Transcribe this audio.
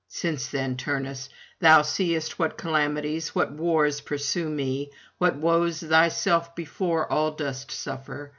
Since then, Turnus, thou seest what calamities, what wars pursue me, what woes thyself before all dost suffer.